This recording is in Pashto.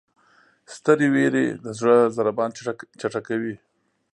سترې وېرې د زړه ضربان چټکوي.